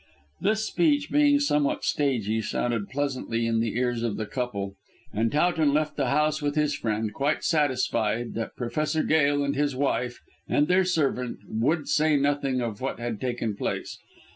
This speech, being somewhat stagey, sounded pleasantly in the ears of the couple, and Towton left the house with his friend, quite satisfied that Professor Gail and his wife and their servant would say nothing of what had taken place.